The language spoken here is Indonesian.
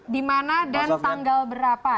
di mana dan tanggal berapa